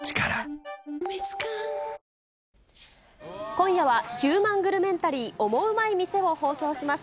今夜は、ヒューマングルメンタリーオモウマい店を放送します。